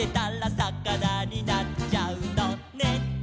「さかなになっちゃうのね」